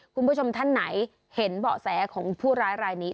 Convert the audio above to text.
คุณผู้ชมท่านไหนเห็นเบาะแสของผู้ร้ายรายนี้